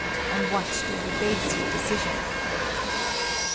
On what do you base your decision?